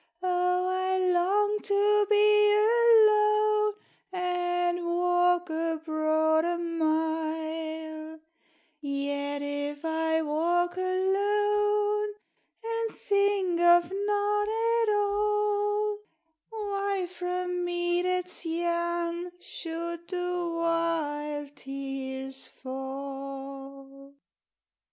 Oh, I long to be alone, and walk abroad a mile, Yet if I walk alone, and think of naught at all, Why from me that's young should the wild tears fall?